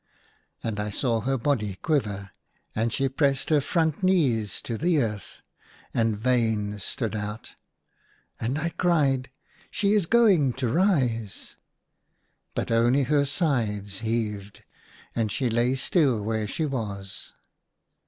And I saw her body quiver ; and she pressed her front knees to the earth, and veins stood out ; and I cried, " She is going to rise !" But only her sides heaved, and she lay still where she was.